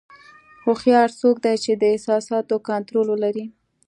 هوښیار څوک دی چې د احساساتو کنټرول ولري.